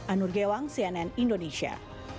anur gewang cnn indonesia